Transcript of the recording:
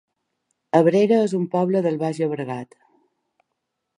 Abrera es un poble del Baix Llobregat